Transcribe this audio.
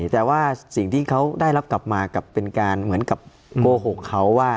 แต่ว่าสิ่งที่เขาได้รับกลับมากลับเป็นการเหมือนกับโกหกเขาว่า